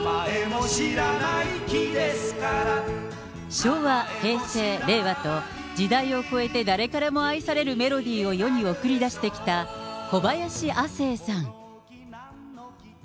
昭和、平成、令和と、時代を越えて誰からも愛されるメロディーを世に送り出してきた小林亜星さん。